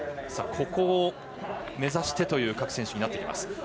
ここを目指してという各選手になってきます。